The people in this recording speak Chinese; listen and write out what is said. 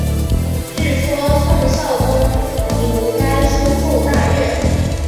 据说宋孝宗读该书后大悦。